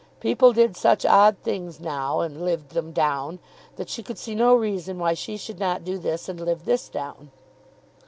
People did such odd things now and "lived them down," that she could see no reason why she should not do this and live this down.